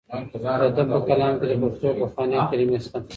د ده په کلام کې د پښتو پخوانۍ کلمې شته.